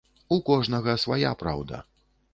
У кожнага свая праўда.